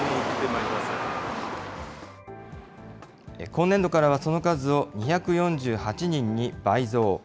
今年度からはその数を２４８人に倍増。